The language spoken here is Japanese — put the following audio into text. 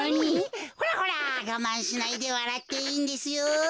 ほらほらがまんしないでわらっていいんですよ。